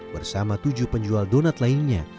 bersama tujuh penjual donat lainnya